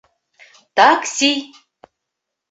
Такси